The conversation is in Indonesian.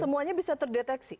semuanya bisa terdeteksi